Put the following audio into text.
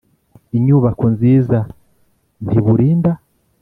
inyubako nziza ntiburinda